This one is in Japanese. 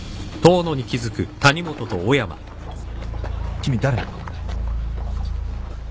君誰？